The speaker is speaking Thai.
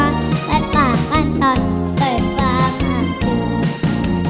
บ้านป่าบ้านต่อเสิร์ฟฟ้ามหาศิลป์